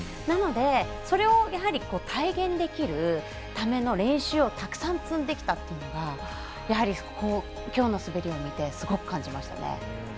なので、それを体現できるための練習をたくさん積んできたというのがやはり、今日の滑りを見てすごく感じましたね。